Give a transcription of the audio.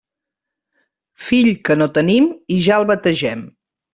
Fill que no tenim i ja el bategem.